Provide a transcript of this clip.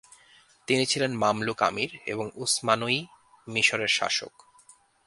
তিনি ছিলেন মামলুক আমির এবং উসমানয়ি মিশর এর শাসক।